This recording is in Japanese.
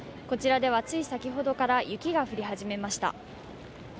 こちらではつい先ほどから雪が降り始めました。